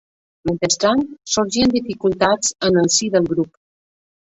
Mentrestant sorgien dificultats en el si del grup.